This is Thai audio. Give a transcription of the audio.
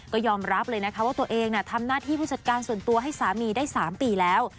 ก็ยอมรับเลยนะคะว่าตัวเองทำหน้าที่ผู้จัดการส่วนตัวให้สามีได้๓ปีแล้ว